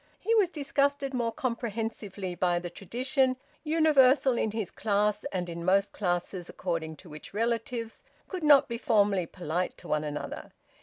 He was disgusted more comprehensively by the tradition, universal in his class and in most classes, according to which relatives could not be formally polite to one another.